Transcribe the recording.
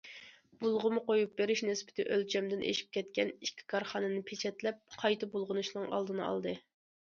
بۇلغىما قويۇپ بېرىش نىسبىتى ئۆلچەمدىن ئېشىپ كەتكەن ئىككى كارخانىنى پېچەتلەپ، قايتا بۇلغىنىشنىڭ ئالدىنى ئالدى.